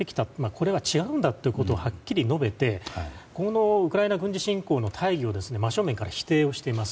これは違うんだということをはっきり述べてウクライナ軍事侵攻の大義を真正面から否定しています。